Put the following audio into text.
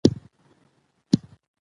که سوله وي نو بهار وي.